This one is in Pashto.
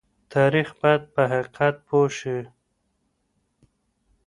تاریخ باید په حقیقت پوه شي.